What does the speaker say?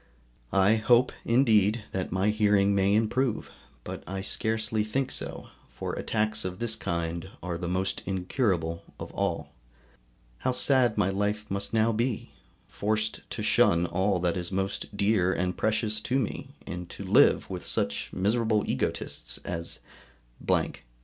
I hope indeed that my hearing may improve, but I scarcely think so, for attacks of this kind are the most incurable of all. How sad my life must now be! forced to shun all that is most dear and precious to me, and to live with such miserable egotists as , &c.